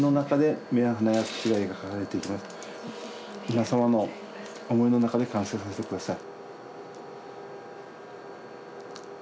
皆さまの思いの中で完成させて下さい。